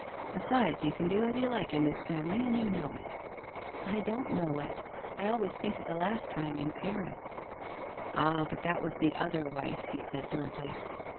Besides, you can do as you like in this family and you know it.' ' I don't know it. I always think of the last time in Paris.* ' Ah, but that was the other wife,' he said bluntly.